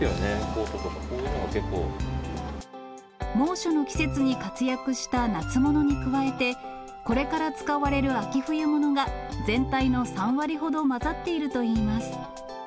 コートとか、猛暑の季節に活躍した夏物に加えて、これから使われる秋冬物が、全体の３割ほど交ざっているといいます。